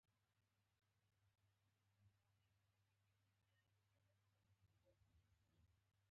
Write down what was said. ور یې پرانست او د نه خوړلو وجه یې وپوښتل.